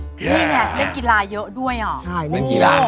นี่แหละเล่นกีฬาเยอะด้วยอ่ะ